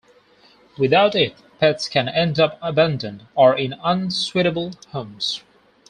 Without it, pets can end up abandoned or in unsuitable homes.